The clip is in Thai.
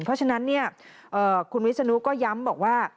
เพราะฉะนั้นคุณวิศนุก็ย้ำบอกว่า